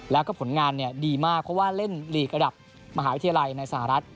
แล้วก็ผลงานดีมากเพราะว่าเล่นลีกระดับมหาวิทยาลัยในสหรัฐ